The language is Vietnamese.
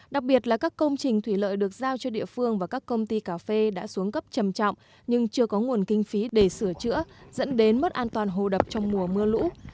đặc biệt là các công trình thủy lợi được giao cho địa phương và các công ty cà phê đã xuống cấp trầm trọng nhưng chưa có nguồn kinh phí để sửa chữa dẫn đến mất an toàn hồ đập trong mùa mưa lũ